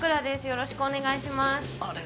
よろしくお願いしますあれ？